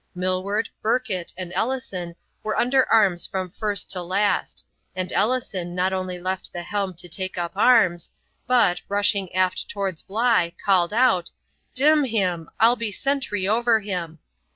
Millward, Burkitt, and Ellison were under arms from first to last; and Ellison not only left the helm to take up arms, but, rushing aft towards Bligh, called out, 'D n him, I'll be sentry over him.'